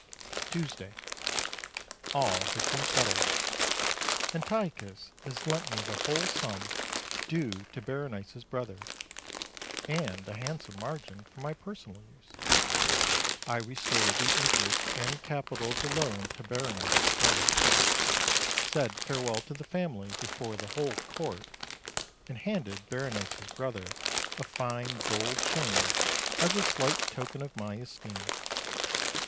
Tuesday. All has been settled. Antiochus has lent me the whole sum due to Berenice's brother, and a handsome margin for my personal use. I restored the interest and capital of the loan to Berenice's brother. Said farewell to the family before the whole Court, and handed Berenice's brother a fine gold chain as a slight token of my esteem.